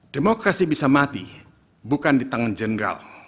demokrasi bisa mati bukan di tangan jenderal